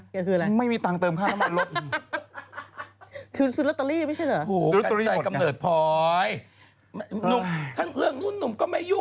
การจัดกำเนิดพล้อย